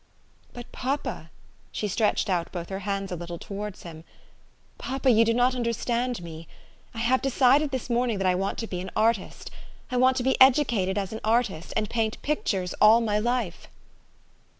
" But, papa," she stretched out both her hands a little towards him, " papa, 3^ou do not understand me. '' I have decided this morning that I want to be an artist. I want to be educated as an artist, and paint pictures all my life."